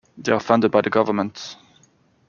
They are funded by the government.